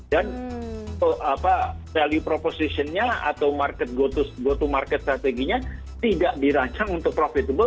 dan value propositionnya atau go to market strateginya tidak dirancang untuk profitable